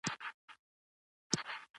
سمه ده. ما ورته وویل.